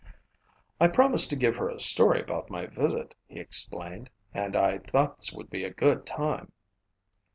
"I promised to give her a story about my visit," he explained, "and I thought this would be a good time."